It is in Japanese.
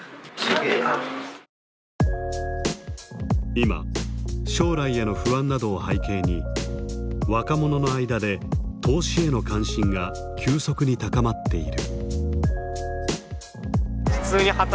今将来への不安などを背景に若者の間で投資への関心が急速に高まっている。